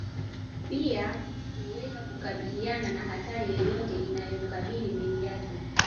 pia uweza kukabiliana na hatari yoyote inayomkabili mbele yake